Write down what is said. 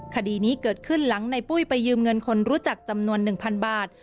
คดีนี้เกิดขึ้นหลังในปุ้ยไปยืมเงินคนรู้จักจำนวน๑๐๐บาท